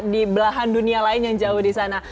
di belahan dunia lain yang jauh disana